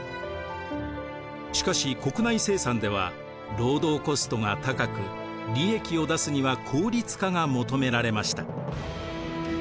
しかし国内生産では労働コストが高く利益を出すには効率化が求められました。